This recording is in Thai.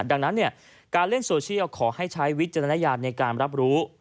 ดังนั้นการเล่นโซเชียลขอให้ใช้วิจารณญาณในการรับรู้